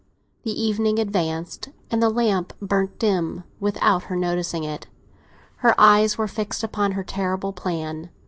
The evening advanced, and the lamp burned dim without her noticing it; her eyes were fixed upon her terrible plan.